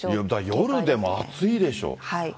夜でも暑いでしょう。